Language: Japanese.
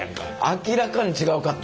明らかに違かった。